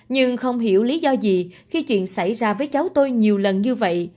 nhưng không hiểu lý do gì khi chuyện xảy ra với cháu tôi nhiều lần như vậy